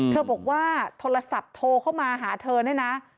เธอบอกว่าโทรศัพท์โทรเข้ามาหาเธอเนี่ยนะ